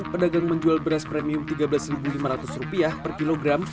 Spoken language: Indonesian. pedagang menjual beras premium rp tiga belas lima ratus per kilogram